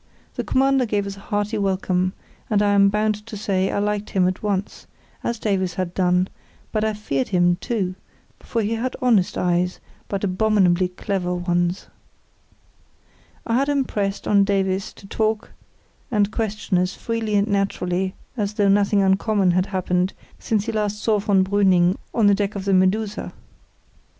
The Commander gave us a hearty welcome, and I am bound to say I liked him at once, as Davies had done; but I feared him, too, for he had honest eyes, but abominably clever ones. I had impressed on Davies to talk and question as freely and naturally as though nothing uncommon had happened since he last saw von Brüning on the deck of the Medusa.